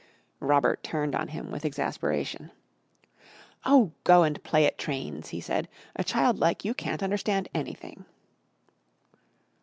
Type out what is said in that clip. Robert turned on him with exasperation. "Oh, go and play at trains!" he said. "A child like you can't understand anything."